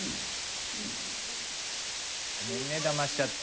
ごめんねだましちゃって。